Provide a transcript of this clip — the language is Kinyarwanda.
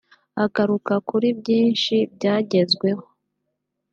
Agaruka kuri byinshi byagezweho